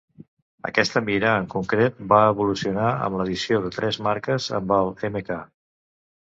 Aquesta mira en concret va evolucionar amb l'addició de tres marques amb el Mk.